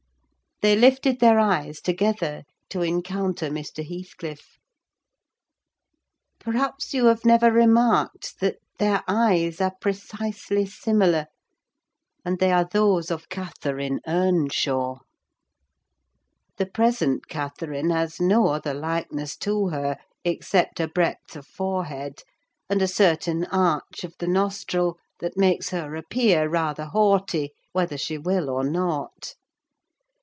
They lifted their eyes together, to encounter Mr. Heathcliff: perhaps you have never remarked that their eyes are precisely similar, and they are those of Catherine Earnshaw. The present Catherine has no other likeness to her, except a breadth of forehead, and a certain arch of the nostril that makes her appear rather haughty, whether she will or not.